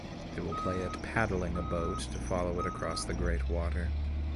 They will play at paddling a boat to follow it across the great water.